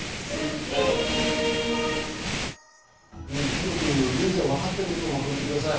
義堂君、現在分かっていることをまとめてください。